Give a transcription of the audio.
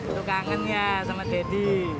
itu kangen ya sama deddy